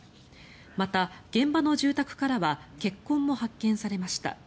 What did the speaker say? また、現場の住宅からは血痕も発見されました。